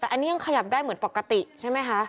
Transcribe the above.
แต่อันนี้ยังขยับได้เหมือนปกติใช่ไหมคะ